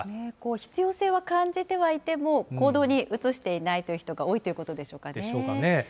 必要性は感じてはいても、行動に移していないという人が多いでしょうかね。